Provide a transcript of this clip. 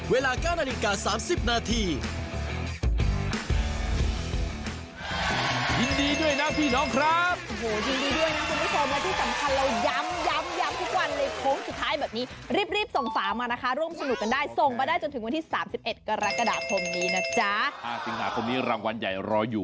เวลา๙นาฬิกา๓๐นาที